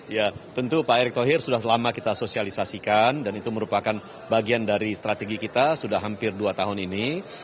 ya tentu pak erick thohir sudah lama kita sosialisasikan dan itu merupakan bagian dari strategi kita sudah hampir dua tahun ini